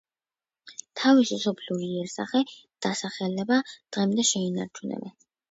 თავისი სოფლური იერსახე დასახლება დრემდე შეინარჩუნა.